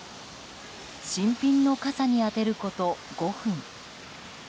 新品の傘に当てること５分。